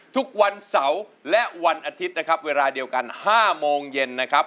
ทุกวันเสาร์และวันอาทิตย์นะครับเวลาเดียวกัน๕โมงเย็นนะครับ